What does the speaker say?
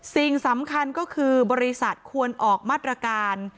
สิ่งสำคัญก็คือบริษัทควรออกมาตรการ